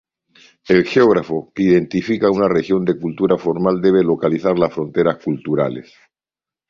El geógrafo, que identifica una región de cultura formal debe localizar las fronteras culturales.